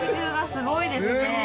すごいですよね。